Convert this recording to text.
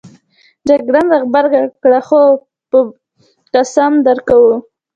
جګړن راغبرګه کړه: هو په باکوس قسم درکوو.